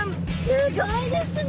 すごいですね